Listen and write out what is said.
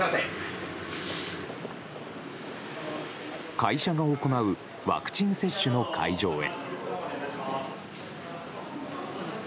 会社が行うワクチン接種の会場へ。